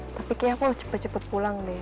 tapi kayaknya aku harus cepet cepet pulang deh